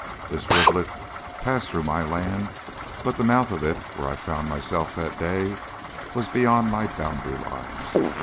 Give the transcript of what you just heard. This rivulet passed through my land, but the mouth of it, where I found myself that day, was beyond my boundary line.